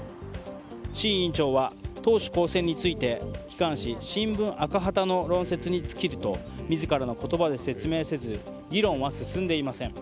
志位委員長は党首公選について機関紙「しんぶん赤旗」の論説に尽きると自らの言葉で説明せず議論は進んでいません。